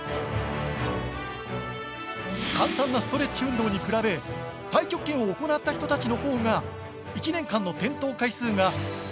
簡単なストレッチ運動に比べ太極拳を行った人たちの方が１年間の転倒回数がおよそ半分だったんです。